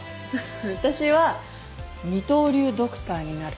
私は二刀流ドクターになる。